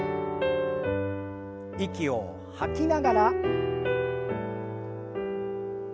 息を吐きながら。